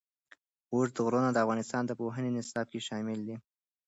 اوږده غرونه د افغانستان د پوهنې نصاب کې شامل دي.